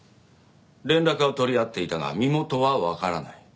連絡は取り合っていたが身元はわからない。